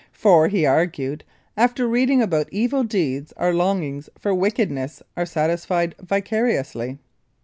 For, he argued, after reading about evil deeds our longings for wickedness are satisfied vicariously.